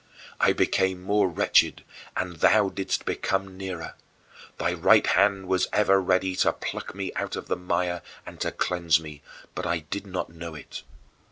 I became more wretched and thou didst come nearer. Thy right hand was ever ready to pluck me out of the mire and to cleanse me, but I did not know it.